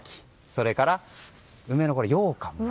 それから梅のようかん。